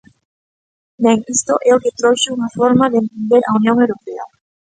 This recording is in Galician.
Ben, isto é o que trouxo unha forma de entender a Unión Europea.